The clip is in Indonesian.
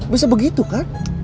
bisa begitu kan